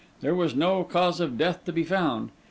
There was no cause of death to be found.